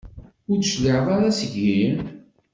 Ur d-tecliɛeḍ ara seg-i?